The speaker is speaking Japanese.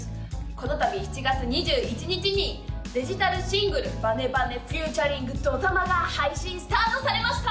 この度７月２１日にデジタルシングル「ＢａＮｅＢａＮｅｆｅａｔ．ＤＯＴＡＭＡ」が配信スタートされました！